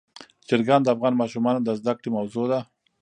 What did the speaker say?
چرګان د افغان ماشومانو د زده کړې موضوع ده.